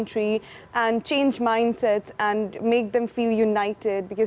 dan mengubah pikiran anda dan membuat mereka merasa berkumpul